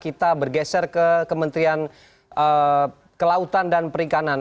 kita bergeser ke kementerian kelautan dan perikanan